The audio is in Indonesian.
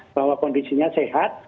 bahwa kondisinya sehat